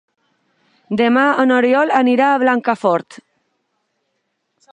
Demà n'Oriol anirà a Blancafort.